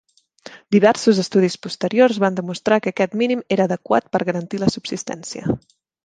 Diversos estudis posteriors van demostrar que aquest mínim era adequat per garantir la subsistència.